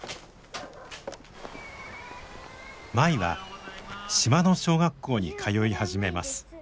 舞は島の小学校に通い始めます。